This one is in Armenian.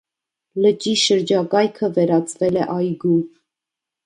Լճի շրջակայքը վերածվել է այգու։